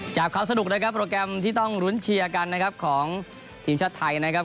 ความสนุกนะครับโปรแกรมที่ต้องลุ้นเชียร์กันนะครับของทีมชาติไทยนะครับ